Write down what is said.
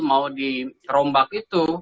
mau di rombak itu